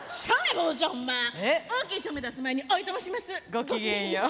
ごきげんよう。